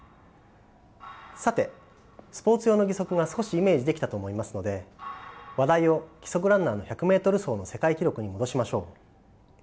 さてスポーツ用の義足が少しイメージできたと思いますので話題を義足ランナーの１００ｍ走の世界記録に戻しましょう。